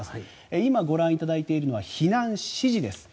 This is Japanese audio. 今、ご覧いただいているのは避難指示です。